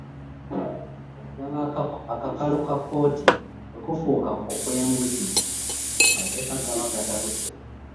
Okugaba akakalu ka kkooti bwe kufuuka okw'enguzi, amateeka gaba gatabuse